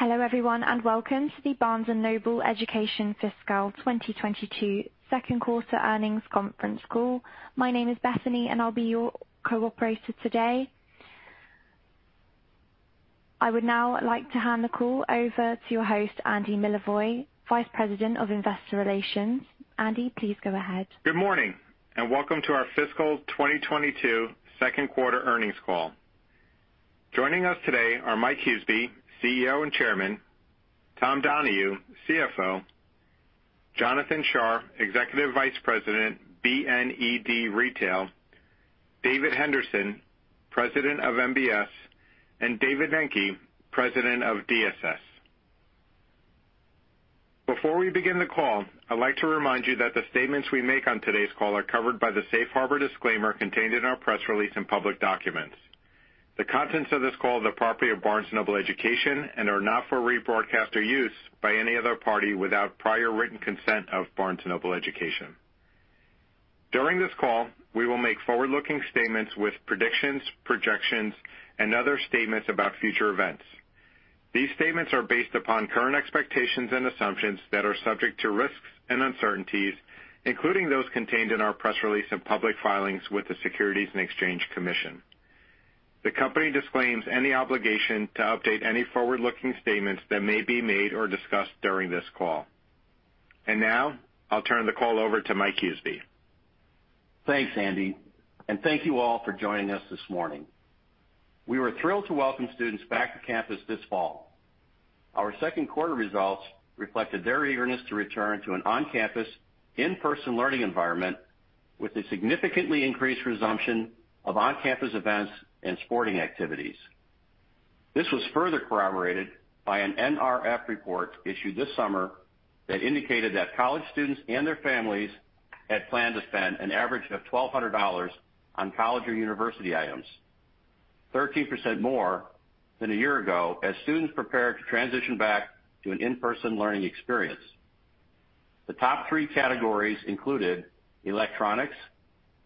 Hello, everyone, and welcome to the Barnes & Noble Education fiscal 2022 second quarter earnings conference call. My name is Bethany, and I'll be your co-operator today. I would now like to hand the call over to your host, Andy Milevoj, Vice President of Investor Relations. Andy, please go ahead. Good morning, and welcome to our fiscal 2022 second quarter earnings call. Joining us today are Mike Huseby, CEO and Chairman, Tom Donohue, CFO, Jonathan Shar, Executive Vice President, BNED Retail, David Henderson, President of MBS, and David Nenke, President of DSS. Before we begin the call, I'd like to remind you that the statements we make on today's call are covered by the safe harbor disclaimer contained in our press release and public documents. The contents of this call are the property of Barnes & Noble Education and are not for rebroadcast or use by any other party without prior written consent of Barnes & Noble Education. During this call, we will make forward-looking statements with predictions, projections, and other statements about future events. These statements are based upon current expectations and assumptions that are subject to risks and uncertainties, including those contained in our press release and public filings with the Securities and Exchange Commission. The company disclaims any obligation to update any forward-looking statements that may be made or discussed during this call. Now, I'll turn the call over to Mike Huseby. Thanks, Andy, and thank you all for joining us this morning. We were thrilled to welcome students back to campus this fall. Our second quarter results reflected their eagerness to return to an on-campus, in-person learning environment with a significantly increased resumption of on-campus events and sporting activities. This was further corroborated by an NRF report issued this summer that indicated that college students and their families had planned to spend an average of $1,200 on college or university items, 13% more than a year ago, as students prepared to transition back to an in-person learning experience. The top three categories included electronics,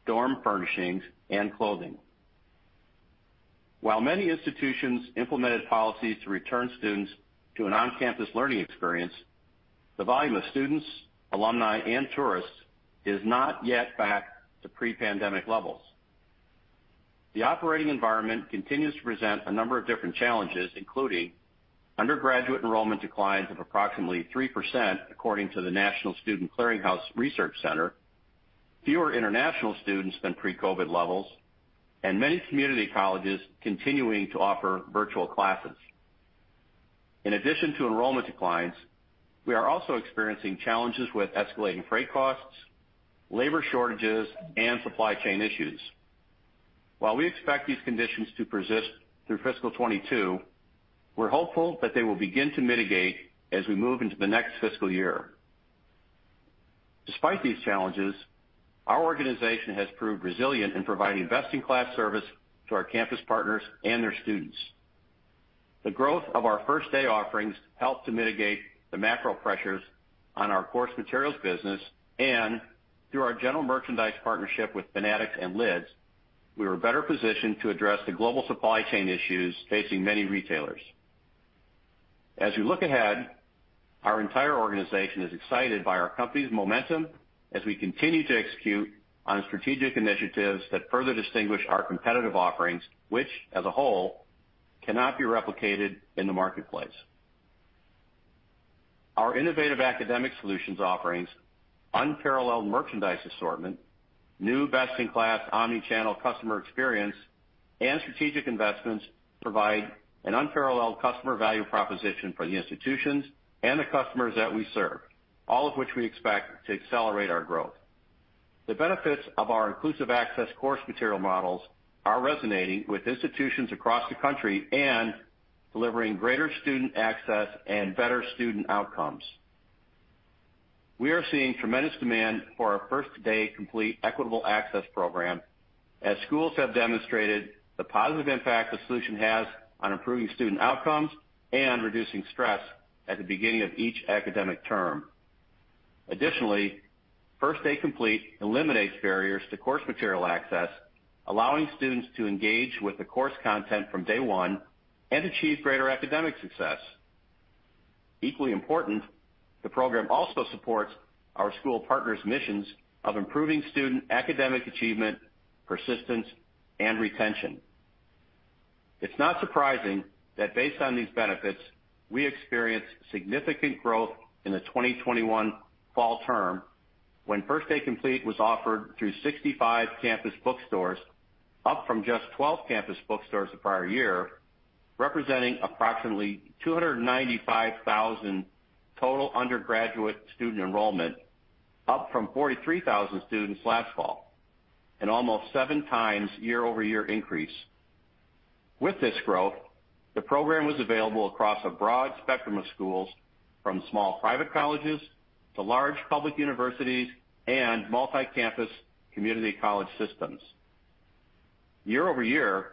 dorm furnishings, and clothing. While many institutions implemented policies to return students to an on-campus learning experience, the volume of students, alumni, and tourists is not yet back to pre-pandemic levels. The operating environment continues to present a number of different challenges, including undergraduate enrollment declines of approximately 3% according to the National Student Clearinghouse Research Center, fewer international students than pre-COVID levels, and many community colleges continuing to offer virtual classes. In addition to enrollment declines, we are also experiencing challenges with escalating freight costs, labor shortages, and supply chain issues. While we expect these conditions to persist through fiscal 2022, we're hopeful that they will begin to mitigate as we move into the next fiscal year. Despite these challenges, our organization has proved resilient in providing best-in-class service to our campus partners and their students. The growth of our First Day offerings helped to mitigate the macro pressures on our course materials business, and through our general merchandise partnership with Fanatics and Lids, we were better positioned to address the global supply chain issues facing many retailers. As we look ahead, our entire organization is excited by our company's momentum as we continue to execute on strategic initiatives that further distinguish our competitive offerings, which, as a whole, cannot be replicated in the marketplace. Our innovative academic solutions offerings, unparalleled merchandise assortment, new best-in-class omni-channel customer experience, and strategic investments provide an unparalleled customer value proposition for the institutions and the customers that we serve, all of which we expect to accelerate our growth. The benefits of our inclusive access course material models are resonating with institutions across the country and delivering greater student access and better student outcomes. We are seeing tremendous demand for our First Day Complete equitable access program as schools have demonstrated the positive impact the solution has on improving student outcomes and reducing stress at the beginning of each academic term. Additionally, First Day Complete eliminates barriers to course material access, allowing students to engage with the course content from day one and achieve greater academic success. Equally important, the program also supports our school partners' missions of improving student academic achievement, persistence, and retention. It's not surprising that based on these benefits, we experienced significant growth in the 2021 fall term when First Day Complete was offered through 65 campus bookstores, up from just 12 campus bookstores the prior year, representing approximately 295,000 total undergraduate student enrollment, up from 43,000 students last fall, an almost 7x year-over-year increase. With this growth, the program was available across a broad spectrum of schools from small private colleges to large public universities and multi-campus community college systems. Year-over-year,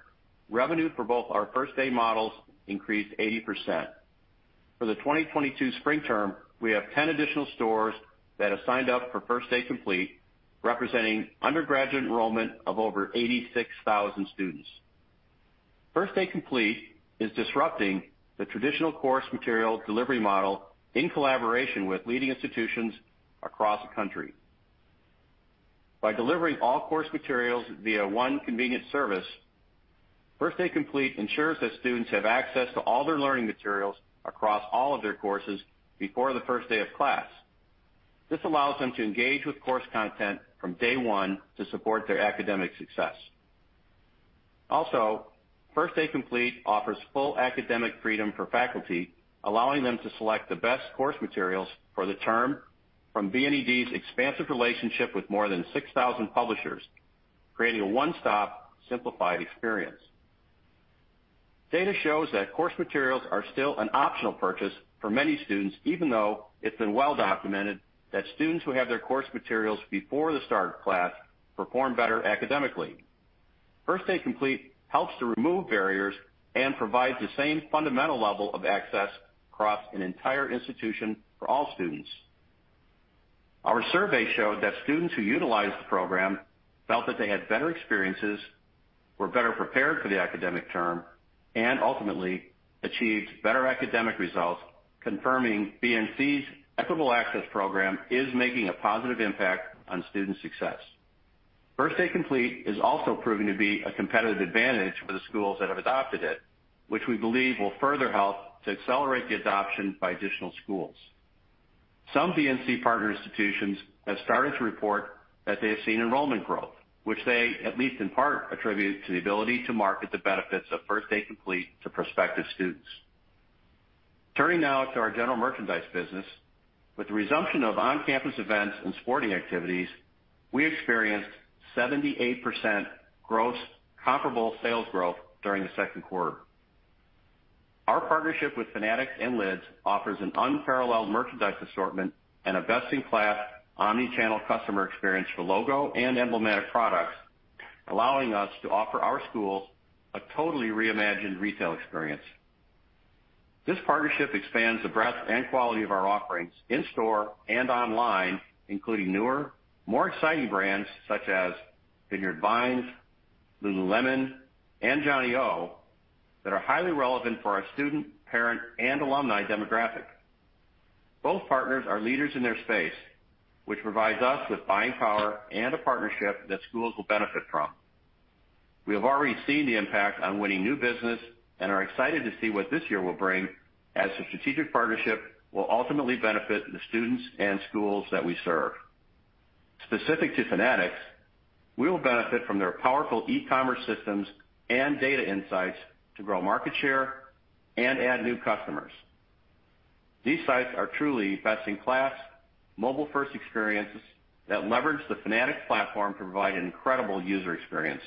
revenue for both our First Day models increased 80%. For the 2022 spring term, we have 10 additional stores that have signed up for First Day Complete, representing undergraduate enrollment of over 86,000 students. First Day Complete is disrupting the traditional course material delivery model in collaboration with leading institutions across the country. By delivering all course materials via one convenient service, First Day Complete ensures that students have access to all their learning materials across all of their courses before the first day of class. This allows them to engage with course content from day one to support their academic success. Also, First Day Complete offers full academic freedom for faculty, allowing them to select the best course materials for the term from BNED's expansive relationship with more than 6,000 publishers, creating a one-stop simplified experience. Data shows that course materials are still an optional purchase for many students, even though it's been well documented that students who have their course materials before the start of class perform better academically. First Day Complete helps to remove barriers and provides the same fundamental level of access across an entire institution for all students. Our survey showed that students who utilized the program felt that they had better experiences, were better prepared for the academic term, and ultimately achieved better academic results, confirming BNC's equitable access program is making a positive impact on student success. First Day Complete is also proving to be a competitive advantage for the schools that have adopted it, which we believe will further help to accelerate the adoption by additional schools. Some BNC partner institutions have started to report that they have seen enrollment growth, which they, at least in part, attribute to the ability to market the benefits of First Day Complete to prospective students. Turning now to our general merchandise business. With the resumption of on-campus events and sporting activities, we experienced 78% gross comparable sales growth during the second quarter. Our partnership with Fanatics and Lids offers an unparalleled merchandise assortment and a best-in-class omni-channel customer experience for logo and emblematic products, allowing us to offer our schools a totally reimagined retail experience. This partnership expands the breadth and quality of our offerings in store and online, including newer, more exciting brands such as Vineyard Vines, Lululemon, and Johnnie-O that are highly relevant for our student, parent, and alumni demographic. Both partners are leaders in their space, which provides us with buying power and a partnership that schools will benefit from. We have already seen the impact on winning new business and are excited to see what this year will bring, as the strategic partnership will ultimately benefit the students and schools that we serve. Specific to Fanatics, we will benefit from their powerful e-commerce systems and data insights to grow market share and add new customers. These sites are truly best-in-class mobile-first experiences that leverage the Fanatics platform to provide an incredible user experience.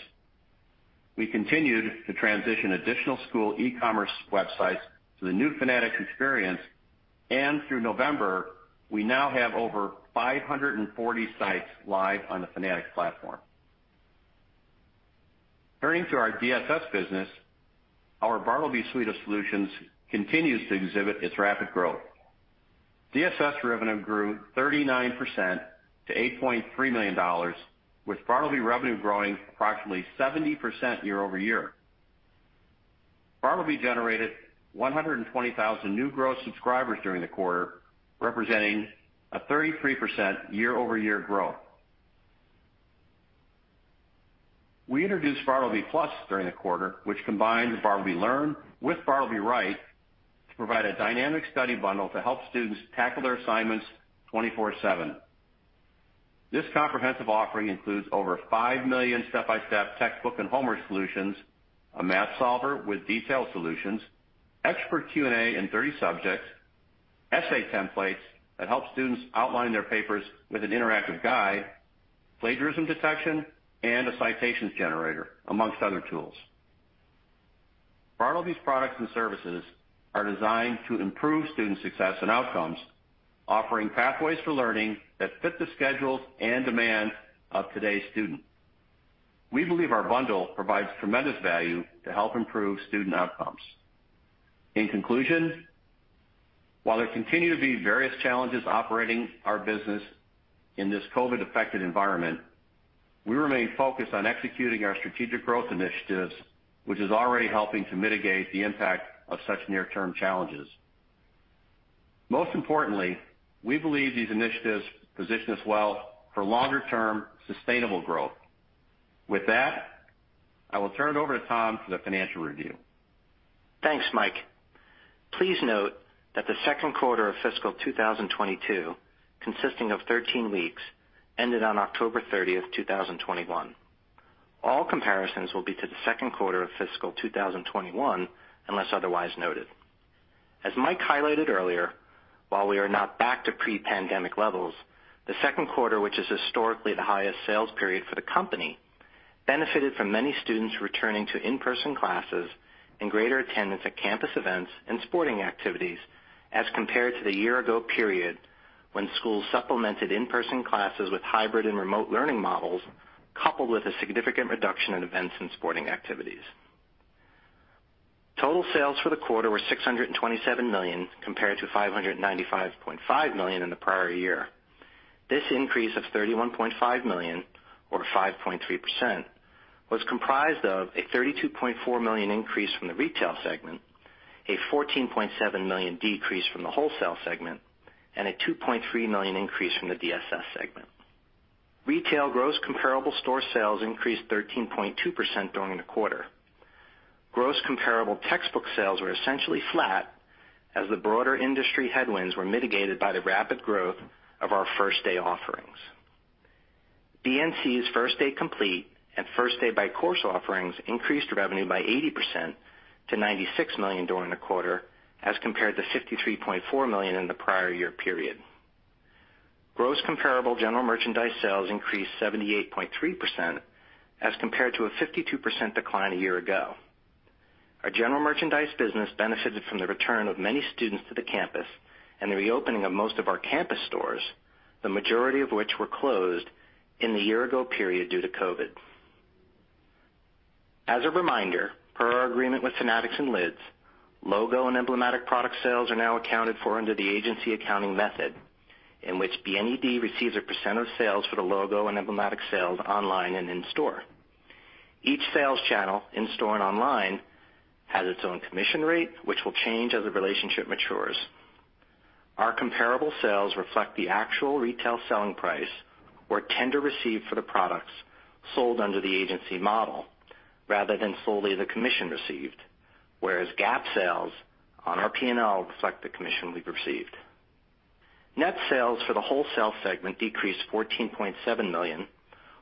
We continued to transition additional school e-commerce websites to the new Fanatics experience, and through November, we now have over 540 sites live on the Fanatics platform. Turning to our DSS business, our Bartleby suite of solutions continues to exhibit its rapid growth. DSS revenue grew 39% to $8.3 million, with Bartleby revenue growing approximately 70% year over year. Bartleby generated 120,000 new gross subscribers during the quarter, representing a 33% year over year growth. We introduced Bartleby Plus during the quarter, which combines Bartleby Learn with Bartleby Write to provide a dynamic study bundle to help students tackle their assignments 24/7. This comprehensive offering includes over 5 million step-by-step textbook and homework solutions, a math solver with detailed solutions, expert Q&A in 30 subjects, essay templates that help students outline their papers with an interactive guide, plagiarism detection, and a citations generator, amongst other tools. Bartleby's products and services are designed to improve student success and outcomes, offering pathways for learning that fit the schedules and demands of today's student. We believe our bundle provides tremendous value to help improve student outcomes. In conclusion, while there continue to be various challenges operating our business in this COVID-affected environment, we remain focused on executing our strategic growth initiatives, which is already helping to mitigate the impact of such near-term challenges. Most importantly, we believe these initiatives position us well for longer-term sustainable growth. With that, I will turn it over to Tom for the financial review. Thanks, Mike. Please note that the second quarter of fiscal 2022, consisting of 13 weeks, ended on October 30th, 2021. All comparisons will be to the second quarter of fiscal 2021, unless otherwise noted. As Mike highlighted earlier, while we are not back to pre-pandemic levels, the second quarter, which is historically the highest sales period for the company, benefited from many students returning to in-person classes and greater attendance at campus events and sporting activities as compared to the year ago period when schools supplemented in-person classes with hybrid and remote learning models, coupled with a significant reduction in events and sporting activities. Total sales for the quarter were $627 million compared to $595.5 million in the prior year. This increase of $31.5 million or 5.3% was comprised of a $32.4 million increase from the retail segment, a $14.7 million decrease from the wholesale segment, and a $2.3 million increase from the DSS segment. Retail gross comparable store sales increased 13.2% during the quarter. Gross comparable textbook sales were essentially flat as the broader industry headwinds were mitigated by the rapid growth of our First Day offerings. BNC's First Day Complete and First Day by Course offerings increased revenue by 80% to $96 million during the quarter as compared to $53.4 million in the prior year period. Gross comparable general merchandise sales increased 78.3% as compared to a 52% decline a year ago. Our general merchandise business benefited from the return of many students to the campus and the reopening of most of our campus stores, the majority of which were closed in the year-ago period due to COVID. As a reminder, per our agreement with Fanatics and Lids, logo and emblematic product sales are now accounted for under the agency accounting method, in which BNED receives a percent of sales for the logo and emblematic sales online and in store. Each sales channel in store and online has its own commission rate, which will change as the relationship matures. Our comparable sales reflect the actual retail selling price or tender received for the products sold under the agency model rather than solely the commission received, whereas GAAP sales on our P&L reflect the commission we've received. Net sales for the Wholesale segment decreased $14.7 million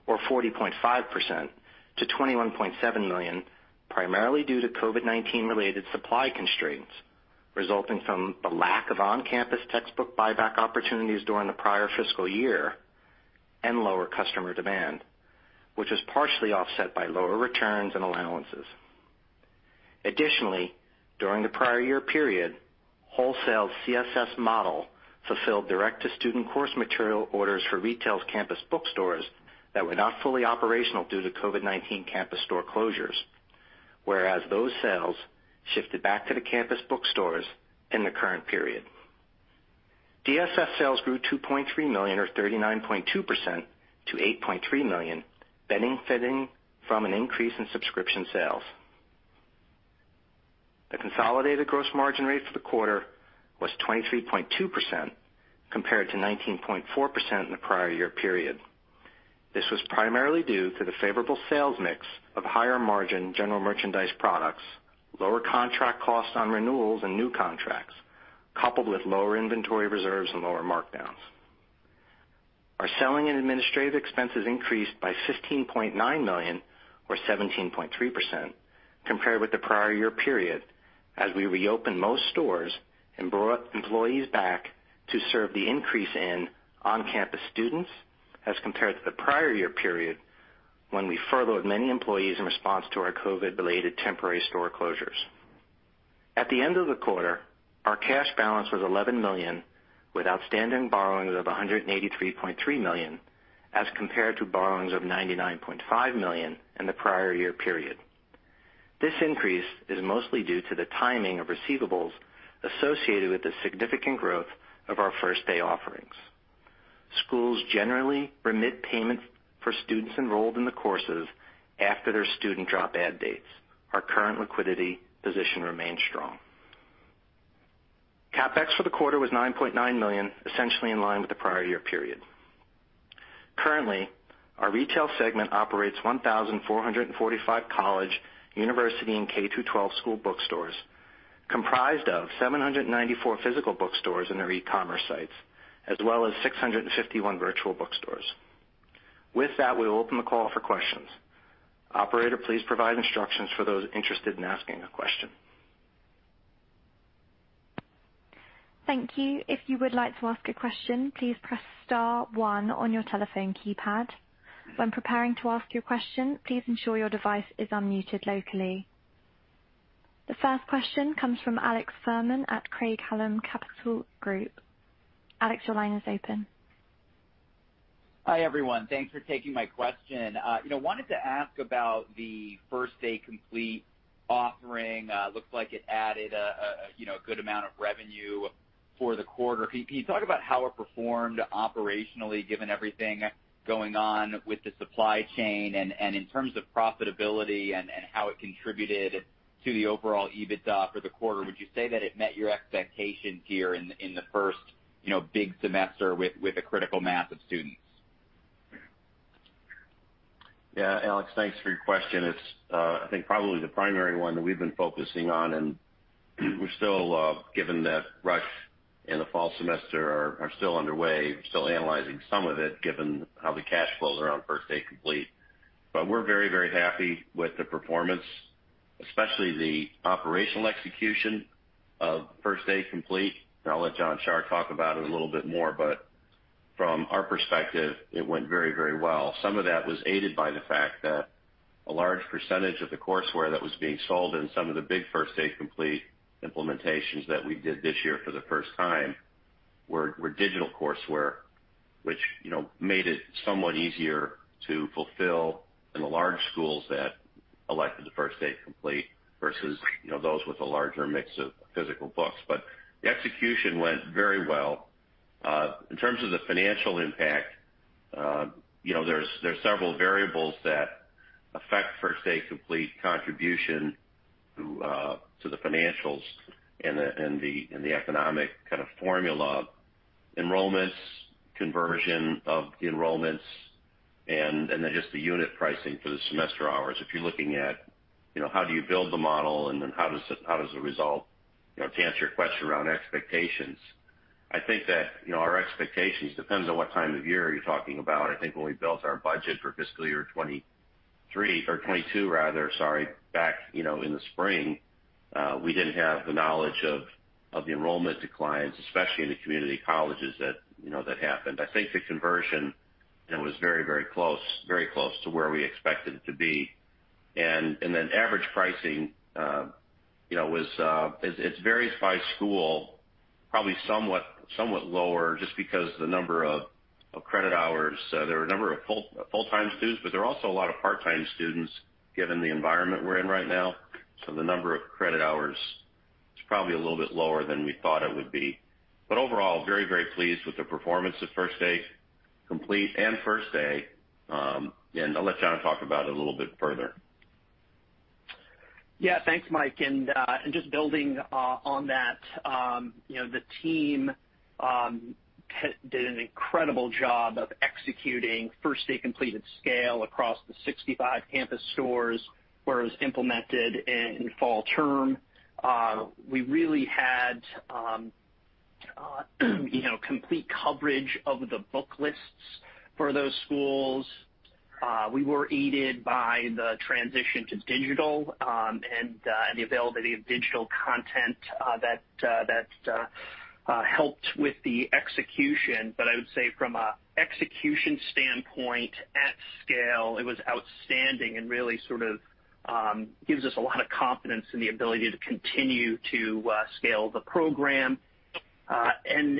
or 40.5% to $21.7 million, primarily due to COVID-19 related supply constraints resulting from the lack of on-campus textbook buyback opportunities during the prior fiscal year and lower customer demand, which was partially offset by lower returns and allowances. Additionally, during the prior year period, Wholesale CSS model fulfilled direct-to-student course material orders for Retail's campus bookstores that were not fully operational due to COVID-19 campus store closures, whereas those sales shifted back to the campus bookstores in the current period. DSS sales grew $2.3 million or 39.2% to $8.3 million, benefiting from an increase in subscription sales. The consolidated gross margin rate for the quarter was 23.2% compared to 19.4% in the prior year period. This was primarily due to the favorable sales mix of higher margin general merchandise products, lower contract costs on renewals and new contracts, coupled with lower inventory reserves and lower markdowns. Our selling and administrative expenses increased by $15.9 million or 17.3% compared with the prior year period as we reopened most stores and brought employees back to serve the increase in on-campus students as compared to the prior year period when we furloughed many employees in response to our COVID-related temporary store closures. At the end of the quarter, our cash balance was $11 million, with outstanding borrowings of $183.3 million, as compared to borrowings of $99.5 million in the prior year period. This increase is mostly due to the timing of receivables associated with the significant growth of our First Day offerings. Schools generally remit payments for students enrolled in the courses after their student drop add dates. Our current liquidity position remains strong. CapEx for the quarter was $9.9 million, essentially in line with the prior year period. Currently, our retail segment operates 1,445 college, university, and K-12 school bookstores, comprised of 794 physical bookstores and their e-commerce sites, as well as 651 virtual bookstores. With that, we will open the call for questions. Operator, please provide instructions for those interested in asking a question. Thank you. If you would like to ask a question, please press star one on your telephone keypad. When preparing to ask your question, please ensure your device is unmuted locally. The first question comes from Alex Fuhrman at Craig-Hallum Capital Group. Alex, your line is open. Hi, everyone. Thanks for taking my question. You know, wanted to ask about the First Day Complete offering. Looks like it added, you know, a good amount of revenue for the quarter. Can you talk about how it performed operationally, given everything going on with the supply chain and in terms of profitability and how it contributed to the overall EBITDA for the quarter? Would you say that it met your expectations here in the first, you know, big semester with a critical mass of students? Yeah, Alex, thanks for your question. It's I think probably the primary one that we've been focusing on, and we're still given the rush in the fall semester is still underway. We're still analyzing some of it, given how the cash flows around First Day Complete. We're very, very happy with the performance, especially the operational execution of First Day Complete. I'll let Jonathan Shar talk about it a little bit more, but from our perspective, it went very, very well. Some of that was aided by the fact that a large percentage of the courseware that was being sold in some of the big First Day Complete implementations that we did this year for the first time were digital courseware, which, you know, made it somewhat easier to fulfill in the large schools that elected the First Day Complete versus, you know, those with a larger mix of physical books. The execution went very well. In terms of the financial impact, you know, there's several variables that affect First Day Complete contribution to the financials and the economic kind of formula enrollments, conversion of enrollments and then just the unit pricing for the semester hours. If you're looking at, you know, how do you build the model, and then how does it resolve? You know, to answer your question around expectations, I think that, you know, our expectations depends on what time of year you're talking about. I think when we built our budget for fiscal year 2023 or 2022 rather, sorry, back, you know, in the spring, we didn't have the knowledge of the enrollment declines, especially in the community colleges that, you know, that happened. I think the conversion, it was very close to where we expected it to be. Average pricing, you know, was, it varies by school, probably somewhat lower just because the number of credit hours. There were a number of full-time students, but there are also a lot of part-time students given the environment we're in right now. The number of credit hours is probably a little bit lower than we thought it would be. Overall, very, very pleased with the performance of First Day Complete and First Day. I'll let John talk about it a little bit further. Yeah. Thanks, Mike. Just building on that, you know, the team did an incredible job of executing First Day Complete at scale across the 65 campus stores where it was implemented in fall term. We really had you know complete coverage of the book lists for those schools. We were aided by the transition to digital and the availability of digital content that helped with the execution. I would say from an execution standpoint at scale, it was outstanding and really sort of gives us a lot of confidence in the ability to continue to scale the program.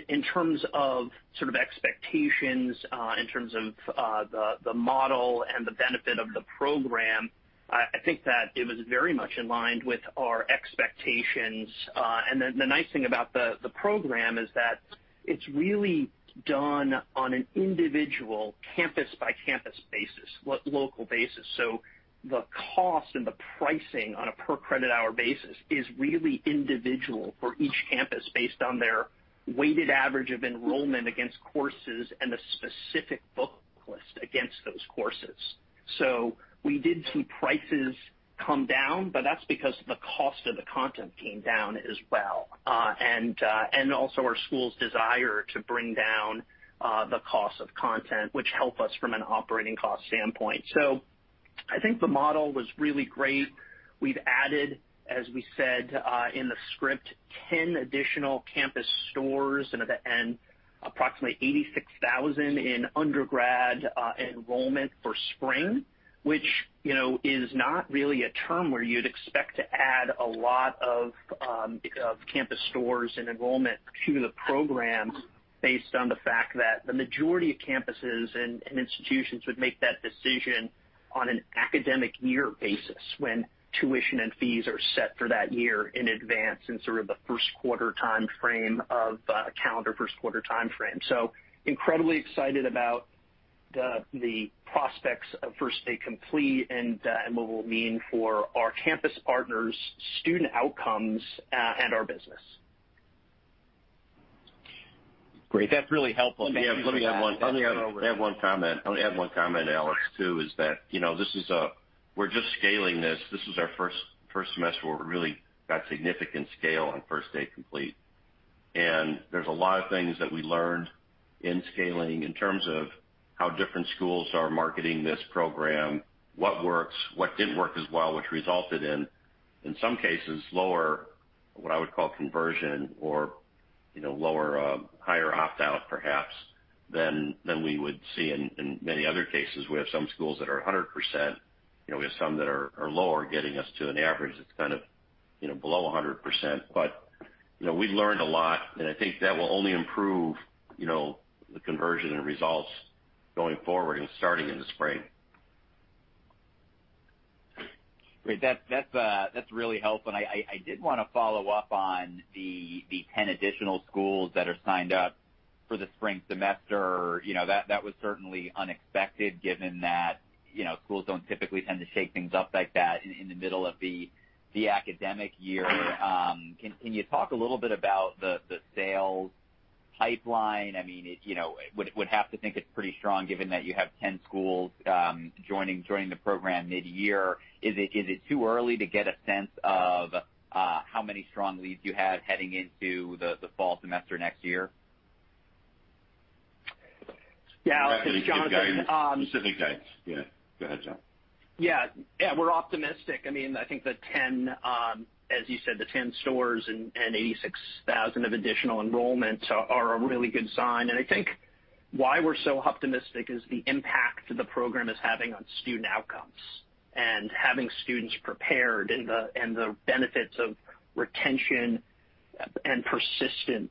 In terms of sort of expectations in terms of the model and the benefit of the program, I think that it was very much in line with our expectations. The nice thing about the program is that it's really done on an individual campus-by-campus basis, local basis. The cost and the pricing on a per credit hour basis is really individual for each campus based on their weighted average of enrollment against courses and the specific book list against those courses. We did see prices come down, but that's because the cost of the content came down as well, and also our school's desire to bring down the cost of content, which help us from an operating cost standpoint. I think the model was really great. We've added, as we said, in the script, 10 additional campus stores and at the end, approximately 86,000 in undergrad enrollment for spring, which, you know, is not really a term where you'd expect to add a lot of campus stores and enrollment to the program based on the fact that the majority of campuses and institutions would make that decision on an academic year basis when tuition and fees are set for that year in advance in sort of the first quarter time frame of calendar first quarter time frame. Incredibly excited about the prospects of First Day Complete and what it will mean for our campus partners, student outcomes, and our business. Great. That's really helpful. Thank you for that. Let me add one comment, Alex. You know, this is, we're just scaling this. This is our first semester where we really got significant scale on First Day Complete. There's a lot of things that we learned in scaling in terms of how different schools are marketing this program, what works, what didn't work as well, which resulted in some cases lower, what I would call conversion or, you know, lower, higher opt-out perhaps than we would see in many other cases. We have some schools that are 100%. You know, we have some that are lower, getting us to an average that's kind of, you know, below 100%. You know, we learned a lot, and I think that will only improve, you know, the conversion and results going forward and starting in the spring. Great. That that's really helpful. I did wanna follow up on the 10 additional schools that are signed up for the spring semester. You know, that was certainly unexpected given that, you know, schools don't typically tend to shake things up like that in the middle of the academic year. Can you talk a little bit about the sales pipeline? I mean, it, you know, would have to think it's pretty strong given that you have 10 schools joining the program midyear. Is it too early to get a sense of how many strong leads you have heading into the fall semester next year? Yeah. John- Specifically, James. Yeah. Go ahead, John. Yeah. Yeah, we're optimistic. I mean, I think the 10, as you said, the 10 stores and 86,000 of additional enrollments are a really good sign. I think- Why we're so optimistic is the impact the program is having on student outcomes and having students prepared and the benefits of retention and persistence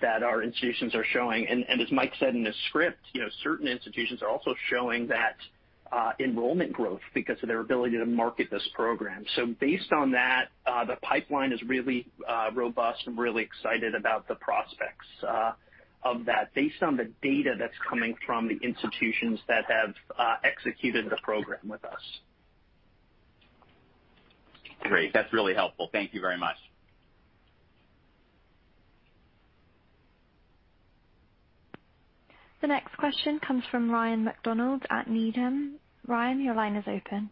that our institutions are showing. As Mike said in the script, you know, certain institutions are also showing that enrollment growth because of their ability to market this program. Based on that, the pipeline is really robust and really excited about the prospects of that based on the data that's coming from the institutions that have executed the program with us. Great. That's really helpful. Thank you very much. The next question comes from Ryan MacDonald at Needham. Ryan, your line is open.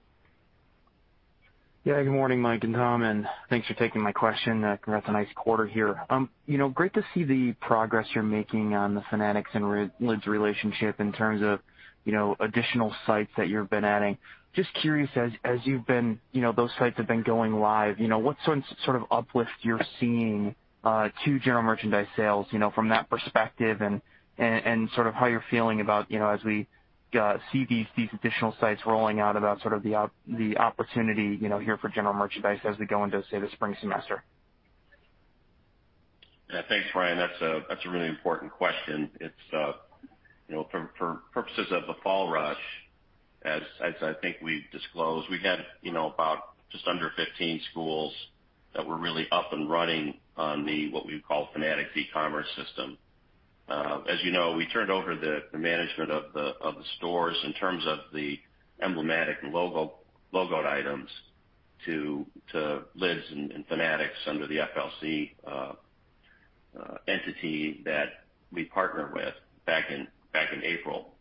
Yeah, good morning, Mike and Tom, and thanks for taking my question. Congrats on a nice quarter here. You know, great to see the progress you're making on the Fanatics and Lids relationship in terms of additional sites that you've been adding. Just curious, as those sites have been going live. You know, what sort of uplift you're seeing to general merchandise sales from that perspective and how you're feeling about the opportunity here for general merchandise as we see these additional sites rolling out as we go into, say, the spring semester. Yeah. Thanks, Ryan. That's a really important question. It's you know, for purposes of the fall rush, as I think we've disclosed, we had you know, about just under 15 schools that were really up and running on the what we would call Fanatics eCommerce system. As you know, we turned over the management of the stores in terms of the emblematic and logo items to Lids and Fanatics under the FLC entity that we partnered with back in April.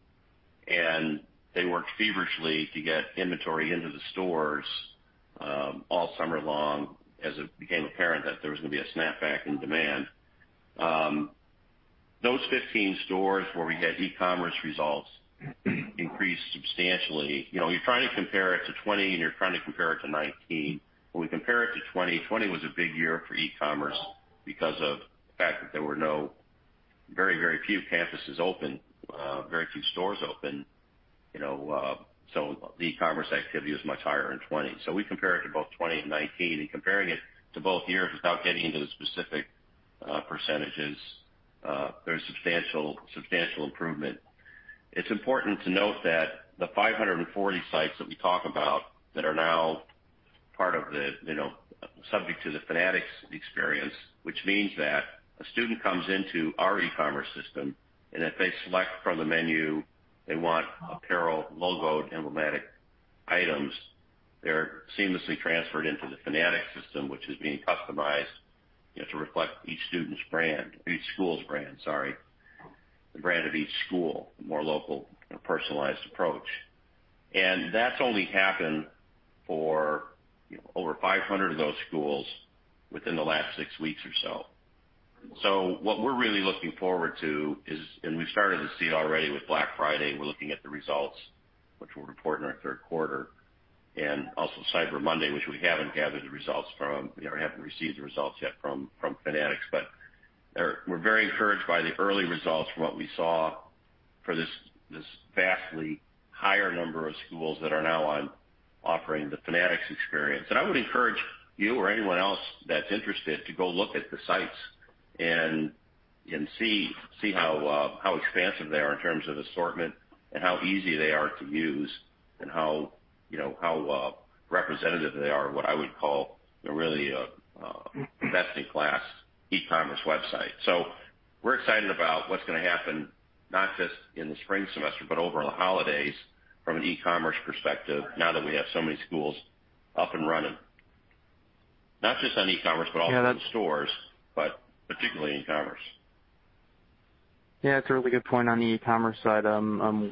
They worked feverishly to get inventory into the stores all summer long as it became apparent that there was gonna be a snapback in demand. Those 15 stores where we had eCommerce results increased substantially. You know, you're trying to compare it to 2020, and you're trying to compare it to 2019. When we compare it to 2020 was a big year for e-commerce because of the fact that there were very, very few campuses open, very few stores open. You know, the e-commerce activity was much higher in 2020. We compare it to both 2020 and 2019, and comparing it to both years without getting into the specific percentages, there's substantial improvement. It's important to note that the 540 sites that we talk about that are now part of the, you know, subject to the Fanatics experience, which means that a student comes into our eCommerce system, and if they select from the menu, they want apparel, logoed, emblematic items, they're seamlessly transferred into the Fanatics system, which is being customized, you know, to reflect each student's brand, each school's brand, sorry. The brand of each school, more local and personalized approach. That's only happened for over 500 of those schools within the last six weeks or so. What we're really looking forward to is, and we've started to see it already with Black Friday, we're looking at the results which we'll report in our third quarter. Also, Cyber Monday, which we haven't received the results yet from Fanatics. They're very encouraged by the early results from what we saw for this vastly higher number of schools that are now offering the Fanatics experience. I would encourage you or anyone else that's interested to go look at the sites and see how expansive they are in terms of assortment and how easy they are to use and how representative they are, what I would call really a best-in-class eCommerce website. We're excited about what's gonna happen not just in the spring semester, but over the holidays from an eCommerce perspective now that we have so many schools up and running. Not just on eCommerce, but also in stores, but particularly eCommerce. Yeah, it's a really good point on the eCommerce side,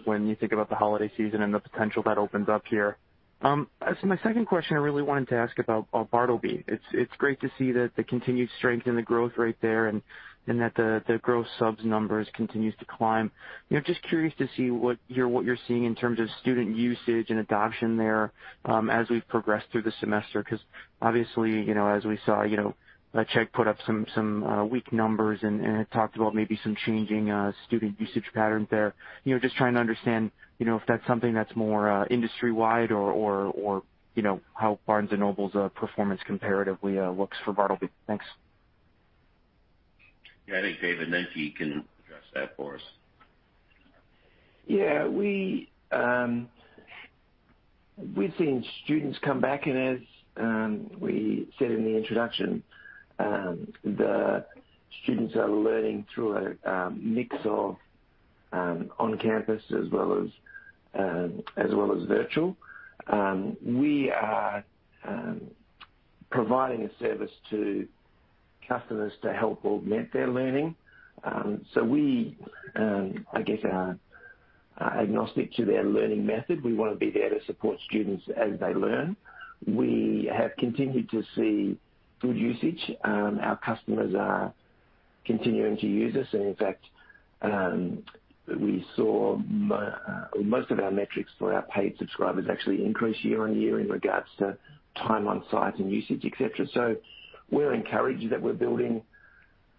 when you think about the holiday season and the potential that opens up here. My second question, I really wanted to ask about, uh, Bartleby. It's great to see the continued strength in the growth rate there and that the growth subs numbers continues to climb. You know, just curious to see what you're seeing in terms of student usage and adoption there, as we've progressed through the semester, 'cause obviously, you know, as we saw, you know, Chegg put up some weak numbers and had talked about maybe some changing student usage patterns there. You know, just trying to understand, you know, if that's something that's more industry-wide or you know how Barnes & Noble's performance comparatively looks for Bartleby? Thanks. Yeah. I think David Nenke can address that for us. Yeah. We've seen students come back, and as we said in the introduction, the students are learning through a mix of on campus as well as virtual. We are providing a service to customers to help augment their learning. I guess we are agnostic to their learning method. We wanna be there to support students as they learn. We have continued to see good usage. Our customers are continuing to use us. In fact, we saw most of our metrics for our paid subscribers actually increase year-over-year in regards to time on site and usage, et cetera. We're encouraged that we're building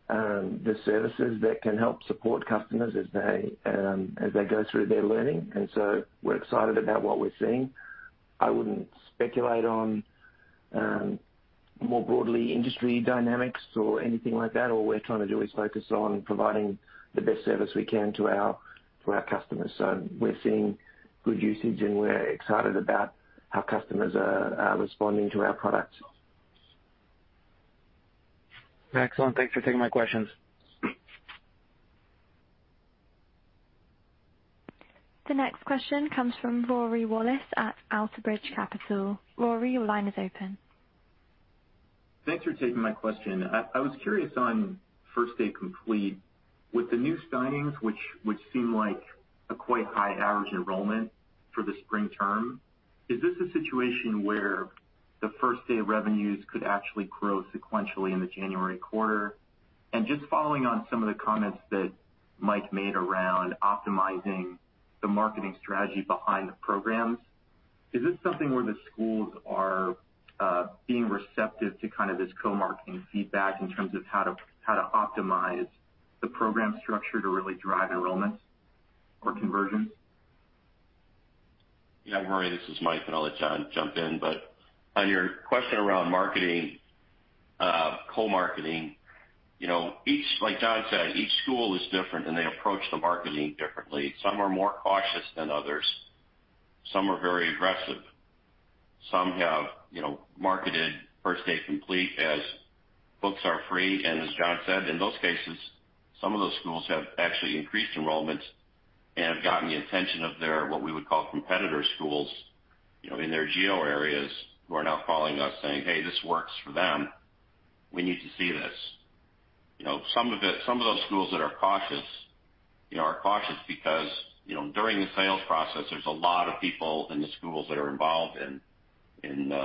the services that can help support customers as they go through their learning. We're excited about what we're seeing. I wouldn't speculate on more broadly industry dynamics or anything like that. All we're trying to do is focus on providing the best service we can for our customers. We're seeing good usage, and we're excited about how customers are responding to our products. Excellent. Thanks for taking my questions. The next question comes from Rory Wallace at Outerbridge Capital. Rory, your line is open. Thanks for taking my question. I was curious on First Day Complete. With the new signings, which seem like a quite high average enrollment for the spring term, is this a situation where the First Day revenues could actually grow sequentially in the January quarter? And just following on some of the comments that Mike made around optimizing the marketing strategy behind the programs, is this something where the schools are being receptive to kind of this co-marketing feedback in terms of how to optimize the program structure to really drive enrollment or conversion? Yeah. Rory, this is Mike, and I'll let John jump in. But on your question around marketing, co-marketing, you know, each, like John said, each school is different, and they approach the marketing differently. Some are more cautious than others. Some are very aggressive. Some have, you know, marketed First Day Complete as books are free. And as John said, in those cases, some of those schools have actually increased enrollment and have gotten the attention of their, what we would call competitor schools, you know, in their geo areas who are now calling us saying, "Hey, this works for them. We need to see this. You know, some of it, some of those schools that are cautious, you know, are cautious because, you know, during the sales process, there's a lot of people in the schools that are involved in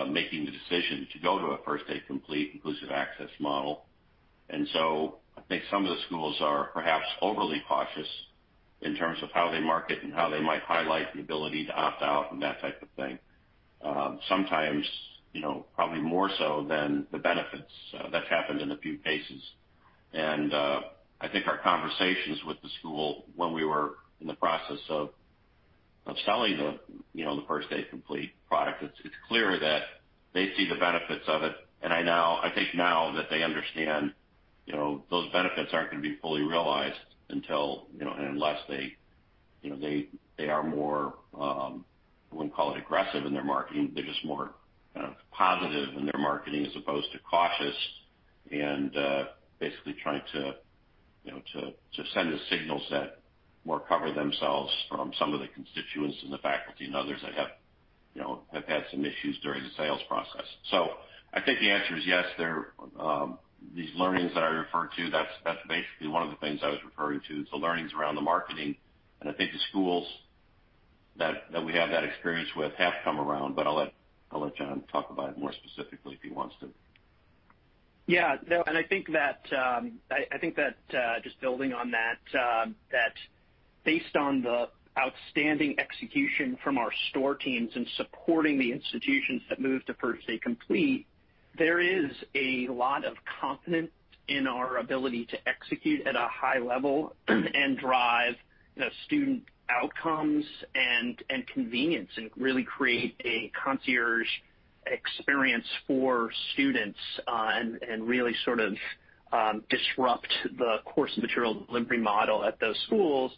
making the decision to go to a First Day Complete inclusive access model. I think some of the schools are perhaps overly cautious in terms of how they market and how they might highlight the ability to opt out and that type of thing. Sometimes, you know, probably more so than the benefits, that's happened in a few cases. I think our conversations with the school when we were in the process of selling the, you know, the First Day Complete product, it's clear that they see the benefits of it. I think now that they understand, you know, those benefits aren't gonna be fully realized until, you know, unless they, you know, they are more, I wouldn't call it aggressive in their marketing. They're just more positive in their marketing as opposed to cautious and basically trying to, you know, to send the signals that more cover themselves from some of the constituents in the faculty and others that have, you know, have had some issues during the sales process. I think the answer is yes, there, these learnings that I referred to, that's basically one of the things I was referring to, is the learnings around the marketing. I think the schools that we have that experience with have come around, but I'll let John talk about it more specifically if he wants to. Yeah. No, I think that just building on that based on the outstanding execution from our store teams in supporting the institutions that move to First Day Complete, there is a lot of confidence in our ability to execute at a high level and drive, you know, student outcomes and convenience and really create a concierge experience for students and really sort of disrupt the course material delivery model at those schools.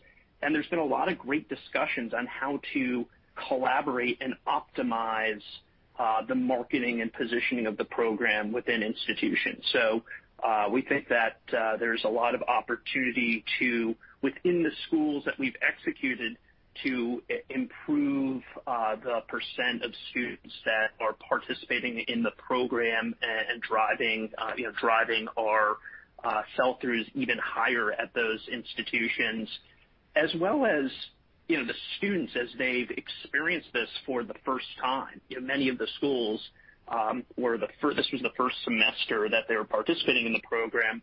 There's been a lot of great discussions on how to collaborate and optimize the marketing and positioning of the program within institutions. We think that, there's a lot of opportunity to, within the schools that we've executed, to improve the percent of students that are participating in the program and driving, you know, our sell-throughs even higher at those institutions. As well as, you know, the students as they've experienced this for the first time. You know, many of the schools were this was the first semester that they were participating in the program.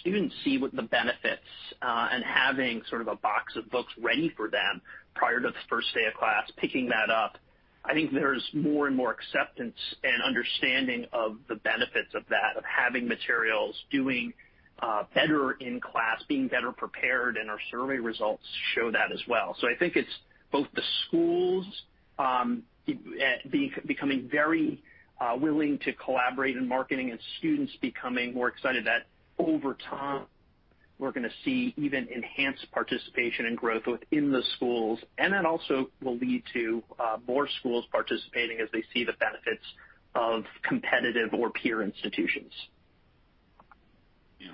Students see what the benefits, and having sort of a box of books ready for them prior to the first day of class, picking that up, I think there's more and more acceptance and understanding of the benefits of that, of having materials, doing better in class, being better prepared, and our survey results show that as well. I think it's both the schools, becoming very willing to collaborate in marketing and students becoming more excited that over time we're gonna see even enhanced participation and growth within the schools. That also will lead to more schools participating as they see the benefits of competitive or peer institutions.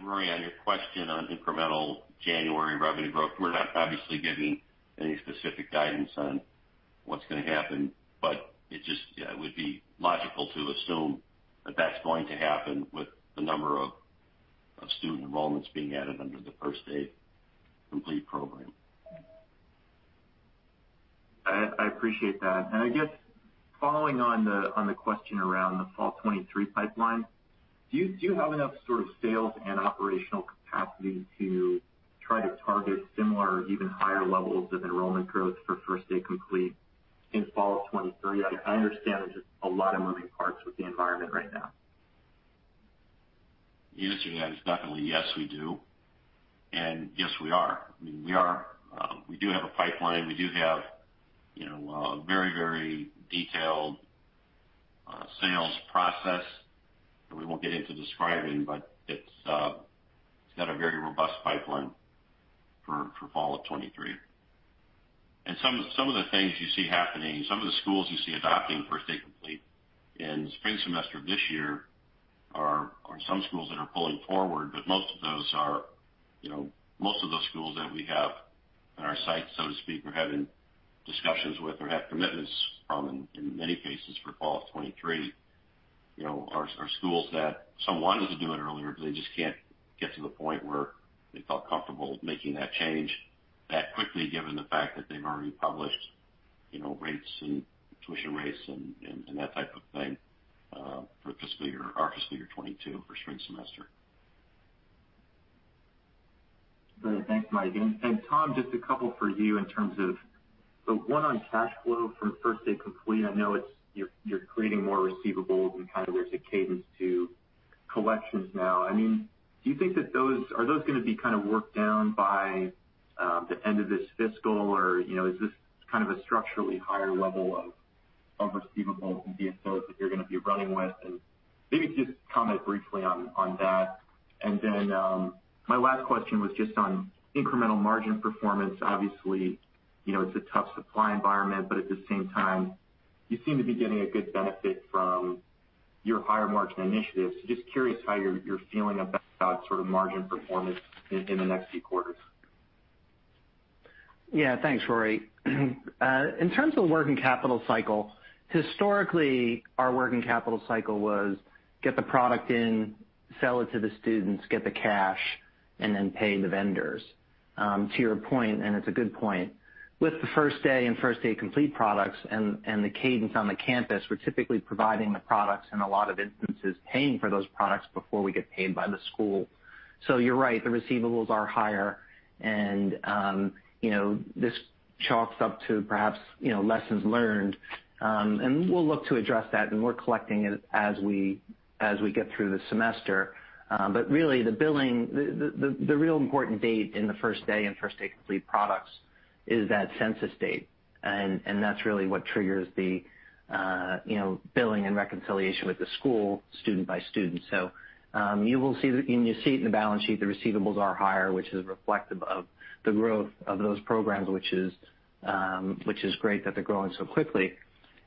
Rory, on your question on incremental January revenue growth, we're not obviously giving any specific guidance on what's gonna happen, but it just would be logical to assume that that's going to happen with the number of student enrollments being added under the First Day Complete program. I appreciate that. I guess following on the question around the fall 2023 pipeline, do you have enough sort of sales and operational capacity to try to target similar or even higher levels of enrollment growth for First Day Complete in fall of 2023. I understand there's just a lot of moving parts with the environment right now. The answer to that is definitely yes, we do. Yes, we are. I mean, we are, we do have a pipeline. We do have, you know, a very, very detailed sales process that we won't get into describing, but it's got a very robust pipeline for fall of 2023. Some of the things you see happening, some of the schools you see adopting First Day Complete in spring semester of this year are some schools that are pulling forward, but most of those are, you know, most of those schools that we have in our sights, so to speak, we're having discussions with or have commitments from, in many cases, for fall of 2023, you know, are schools that some wanted to do it earlier, but they just can't get to the point where they felt comfortable making that change that quickly, given the fact that they've already published, you know, rates and tuition rates and that type of thing, for our fiscal year 2022 for spring semester. Great. Thanks, Mike. Tom, just a couple for you in terms of so one on cash flow from First Day Complete. I know it's you're creating more receivables and kind of there's a cadence to collections now. I mean, do you think that those are gonna be kind of worked down by the end of this fiscal or, you know, is this kind of a structurally higher level of receivables and DSOs that you're gonna be running with? Maybe just comment briefly on that. Then my last question was just on incremental margin performance. Obviously, you know, it's a tough supply environment, but at the same time, you seem to be getting a good benefit from your higher margin initiatives. Just curious how you're feeling about sort of margin performance in the next few quarters. Yeah. Thanks, Rory. In terms of working capital cycle, historically, our working capital cycle was get the product in, sell it to the students, get the cash, and then pay the vendors. To your point, and it's a good point, with the First Day and First Day Complete products and the cadence on the campus, we're typically providing the products, in a lot of instances, paying for those products before we get paid by the school. So you're right, the receivables are higher and, you know, this chalks up to perhaps, you know, lessons learned. And we'll look to address that, and we're collecting it as we get through the semester. But really the billing, the real important date in the First Day and First Day Complete products is that census date. That's really what triggers the, you know, billing and reconciliation with the school student by student. You will see, and you see it in the balance sheet, the receivables are higher, which is reflective of the growth of those programs, which is great that they're growing so quickly.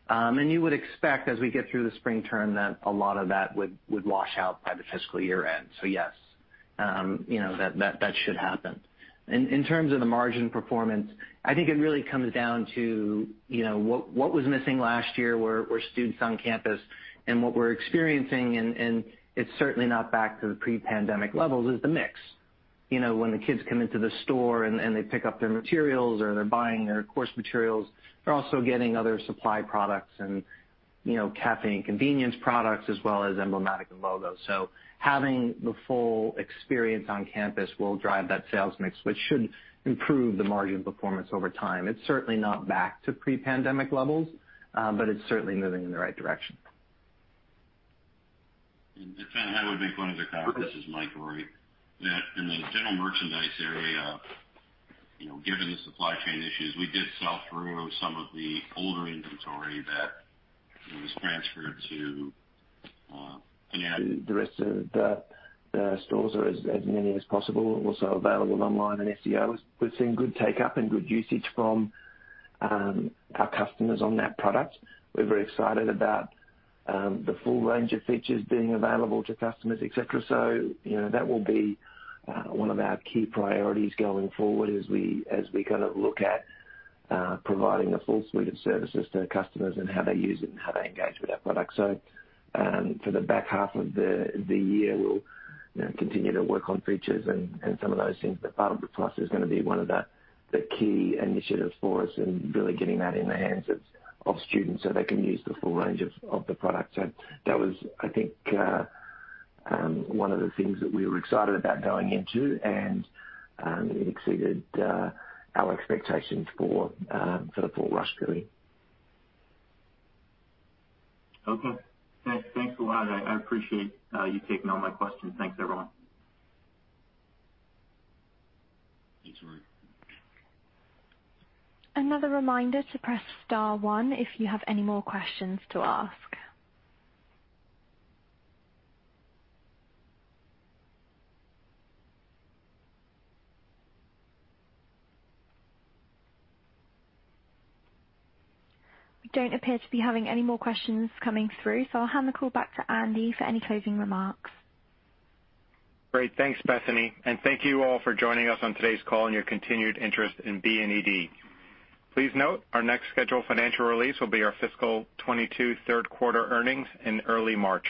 You would expect as we get through the spring term that a lot of that would wash out by the fiscal year-end. Yes, you know, that should happen. In terms of the margin performance, I think it really comes down to, you know, what was missing last year were students on campus. What we're experiencing, it's certainly not back to the pre-pandemic levels, is the mix. You know, when the kids come into the store and they pick up their materials or they're buying their course materials, they're also getting other supply products and, you know, caffeine convenience products as well as emblematic and logos. Having the full experience on campus will drive that sales mix, which should improve the margin performance over time. It's certainly not back to pre-pandemic levels, but it's certainly moving in the right direction. If I may make one other comment, this is Mike, Rory. That in the general merchandise area, you know, given the supply chain issues, we did sell through some of the older inventory that was transferred to, The rest of the stores are as many as possible also available online. SEO, we're seeing good take-up and good usage from our customers on that product. We're very excited about the full range of features being available to customers, et cetera. You know, that will be one of our key priorities going forward as we kind of look at providing a full suite of services to customers and how they use it and how they engage with our product. For the back half of the year, we'll, you know, continue to work on features and some of those things. Bartleby Plus is gonna be one of the key initiatives for us and really getting that in the hands of students so they can use the full range of the product. That was, I think, one of the things that we were excited about going into, and it exceeded our expectations for sort of fall rush period. Okay. Thanks a lot. I appreciate you taking all my questions. Thanks, everyone. Thanks, Rory. Another reminder to press star one if you have any more questions to ask. We don't appear to be having any more questions coming through, so I'll hand the call back to Andy for any closing remarks. Great. Thanks, Bethany, and thank you all for joining us on today's call and your continued interest in BNED. Please note our next scheduled financial release will be our fiscal 2022 third quarter earnings in early March.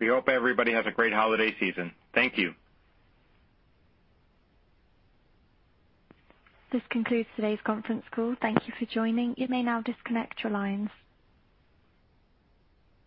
We hope everybody has a great holiday season. Thank you. This concludes today's conference call. Thank you for joining. You may now disconnect your lines.